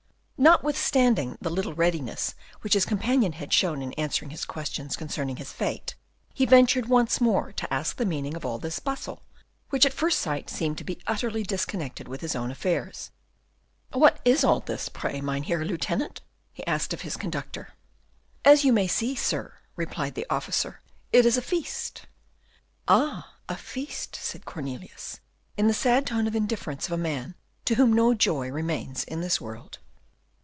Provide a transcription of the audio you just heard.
Notwithstanding the little readiness which his companion had shown in answering his questions concerning his fate, he ventured once more to ask the meaning of all this bustle, which at first sight seemed to be utterly disconnected with his own affairs. "What is all this, pray, Mynheer Lieutenant?" he asked of his conductor. "As you may see, sir," replied the officer, "it is a feast." "Ah, a feast," said Cornelius, in the sad tone of indifference of a man to whom no joy remains in this world.